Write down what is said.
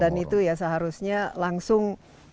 dan itu seharusnya langsung